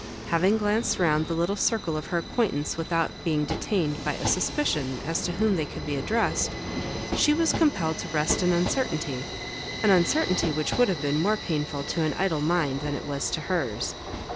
Having glanced round the little circle of her acquaintance without being detained by a suspicion as to whom they could be addressed, she was compelled to rest in uncertainty; an uncertainty which would have been more painful to an idle mind than it was to hers.